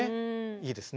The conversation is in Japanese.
いいですね。